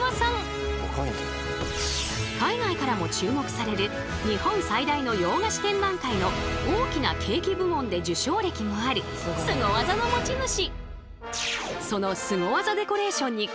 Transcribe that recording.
海外からも注目される日本最大の洋菓子展覧会の「大きなケーキ」部門で受賞歴もあるスゴ技の持ち主。